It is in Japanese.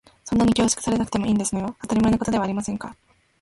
そんなに恐縮されなくてもいいんですのよ。当たり前のことではありませんか。